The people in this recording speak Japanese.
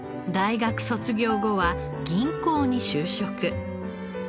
大学卒業後は銀行に就職。